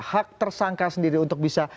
hak tersangka sendiri untuk bisa